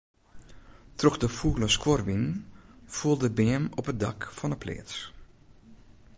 Troch de fûle skuorwinen foel de beam op it dak fan 'e pleats.